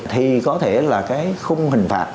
thì có thể là cái khung hình phạt